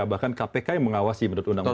bahkan kpk yang mengawasi menurut undang undang